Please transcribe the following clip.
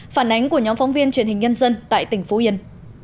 phản ánh của nhóm phóng viên truyền hình nhân dân tại tỉnh phú yên